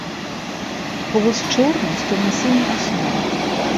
Хвост чорны з цёмна-сіняй асновай.